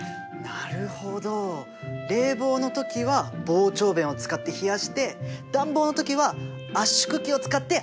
なるほど冷房の時は膨張弁を使って冷やして暖房の時は圧縮機を使ってあっためてるんだね。